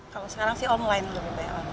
kalau sekarang sih online lebih banyak